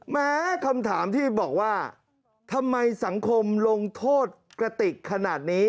แม้คำถามที่บอกว่าทำไมสังคมลงโทษกระติกขนาดนี้